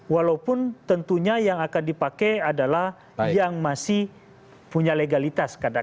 walaupun tentunya yang akan dipakai adalah yang masih punya legalitas